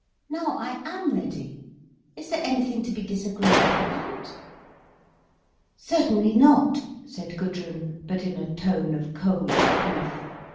Now I am ready—is there anything to be disagreeable about?" "Certainly not," said Gudrun, but in a tone of cold reproof.